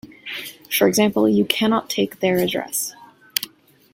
For example, you cannot take their address.